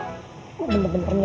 gue bener bener nyebelin tau gak